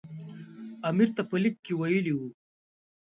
امیر ته په لیک کې ویلي وو.